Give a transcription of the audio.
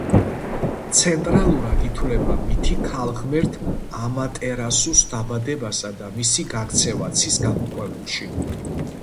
ცენტრალურად ითვლება მითი ქალღმერთ ამატერასუს დაბადებასა და მისი გაქცევა ცის გამოქვაბულში.